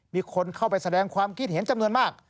มีคนเข้าไปแสดงความคิดเห็นจำนวนมาก